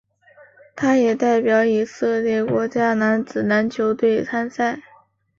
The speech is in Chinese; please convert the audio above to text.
他也代表以色列国家男子篮球队参赛。